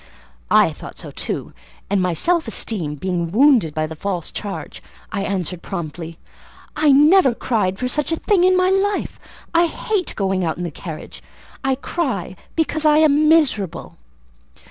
I thought so too; and my self esteem being wounded by the false charge, I answered promptly, "I never cried for such a thing in my life: I hate going out in the carriage. I cry because I am miserable."